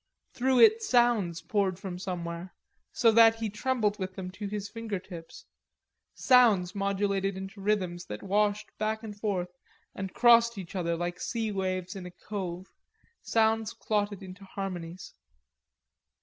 Through it sounds poured from somewhere, so that he trembled with them to his finger tips, sounds modulated into rhythms that washed back and forth and crossed each other like sea waves in a cove, sounds clotted into harmonies.